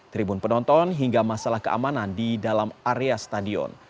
tribun penonton hingga masalah keamanan di dalam area stadion